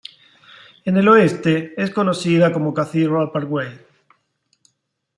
En el oeste, es conocida como Cathedral Parkway.